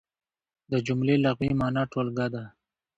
د جملې لغوي مانا ټولګه ده.